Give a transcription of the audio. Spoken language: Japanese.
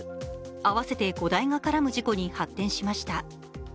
合わせて５台が絡む事故に発展しました。